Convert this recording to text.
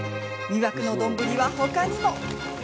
魅惑の丼は他にも。